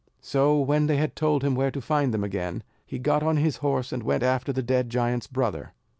So when they had told him where to find them again, he got on his horse and went after the dead giant's brother.